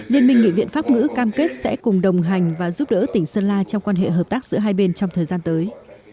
liên minh nghị viện pháp ngữ cam kết sẽ cùng đồng hành và giúp đỡ tỉnh sơn la trong quan hệ hợp tác giữa hai bên trong thời gian tới